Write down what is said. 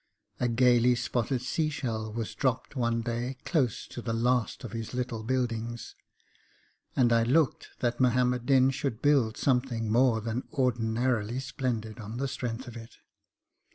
A gaily spotted sea shell was dropped one day close to the last of his little buildings; and I looked that Muhammad Din should build something more than ordinarily splendid on the strength of it.